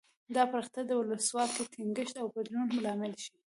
دا پراختیا د ولسواکۍ ټینګښت او بدلون لامل شي.